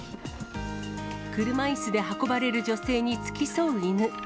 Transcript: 車いすで運ばれる女性に付き添う犬。